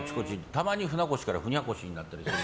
たまに、船越からふにゃこしになったりする。